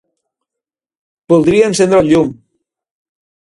Voldria encendre el llum.